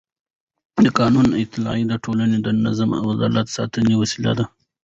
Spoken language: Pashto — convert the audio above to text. د قانون اطاعت د ټولنې د نظم او عدالت ساتلو وسیله ده